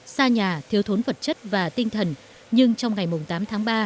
xa nhà thiếu thốn vật chất và tinh thần nhưng trong ngày tám tháng ba